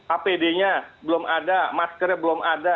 apd nya belum ada maskernya belum ada